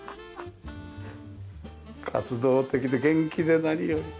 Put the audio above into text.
活動的で元気で何より。